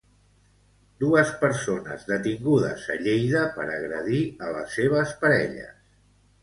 Dues persones detingudes a Lleida per agredir a les seves parelles.